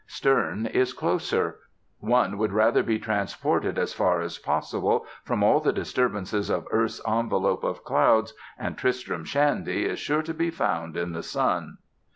Sterne is closer. One would rather be transported as far as possible from all the disturbances of earth's envelope of clouds, and "Tristram Shandy" is sure to be found in the sun.